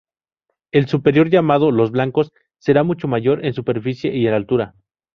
El superior, llamado "Los Blancos", será mucho mayor en superficie y altura.